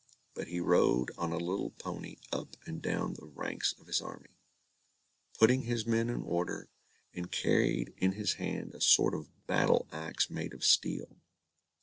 But he rode on a little pony up and down the ranks of his army, putting his men in order, and carried in his hand a sort of battle axe made of steel.